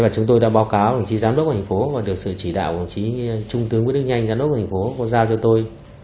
chúng tôi đã báo cáo với giám đốc của thành phố và được sự chỉ đạo của trung tướng nguyễn đức nhanh giám đốc của thành phố giao cho tôi